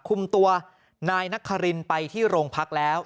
คุมตัวนายนครินไปที่โรงพักแล้ว